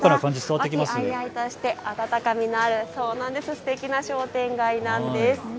和気あいあいとして温かみのあるすてきな商店街なんです。